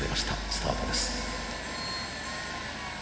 スタートです。